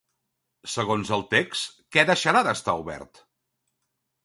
Segons el text, què deixarà d'estar obert?